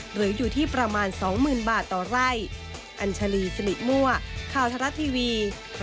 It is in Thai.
หรืออยู่ที่ประมาณ๒๐๐๐๐บาทต่อไร่